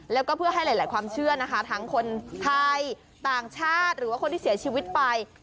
แล้วก็เพื่อให้หลายความเชื่อนะคะทั้งคนไทยต่างชาติหรือว่าคนที่เสียชีวิตไป